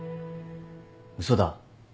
嘘だ。